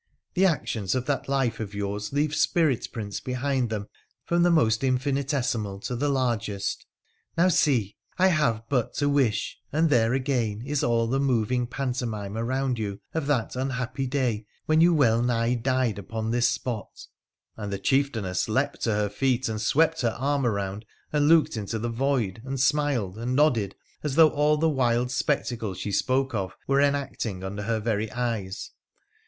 The actions of that life of yours leave spirit prints behind them from the most infinitesimal to the largest. Now, see ! I have but to wish, and there again is all the moving pantomime around you of that unhappy day when you well nigh died upon this spot,' and the chieftainess leaped to her feet and swept her arm around and looked into the void and smiled and nodded as though all the wild spectacle she spoke of were enacting under her very eyes.